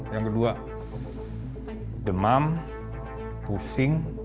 yang kedua demam pusing